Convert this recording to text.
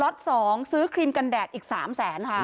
ล็อตสองซื้อครีมกันแดดอีกสามแสนค่ะ